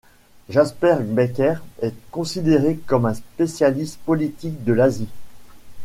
Jasper Becker est considéré comme un spécialiste politique de l'Asie.